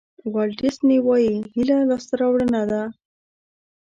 والټ ډیسني وایي هیله لاسته راوړنه ده.